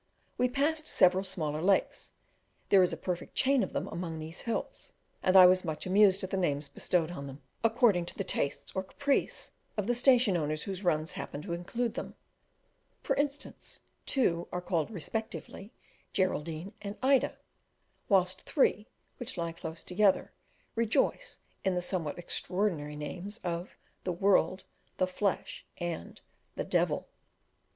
We passed several smaller lakes; there is a perfect chain of them among these hills, and I was much amused at the names bestowed on them, according to the tastes or caprice of the station owners whose runs happen to include them: for instance, two are called respectively "Geraldine" and "Ida," whilst three, which lie close together, rejoice in the somewhat extraordinary names of "the World," "the Flesh," and "the Devil."